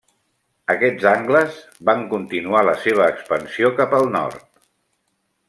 Aquests angles van continuar la seva expansió cap al nord.